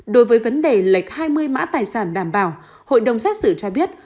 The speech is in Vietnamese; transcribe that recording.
đối với vấn đề lệch hai mươi mã tài sản đảm bảo hội đồng xét xử cho biết